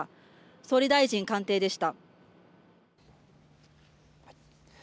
総理大臣官邸でした。